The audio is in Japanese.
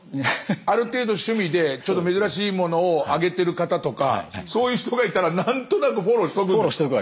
ある程度趣味でちょっと珍しいものを上げてる方とかそういう人がいたら何となくフォローしとく。